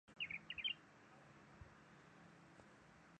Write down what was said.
奥特朗托是位于义大利东南部普利亚大区莱切省的一个城市。